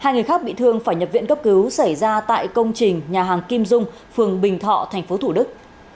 hai người khác bị thương phải nhập viện cấp cứu xảy ra tại công trình nhà hàng kim dung phường bình thọ tp thủ đức